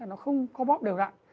nó không có bóp đều đạn